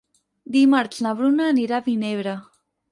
Dimarts na Bruna anirà a Vinebre.